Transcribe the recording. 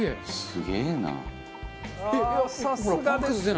すげえな。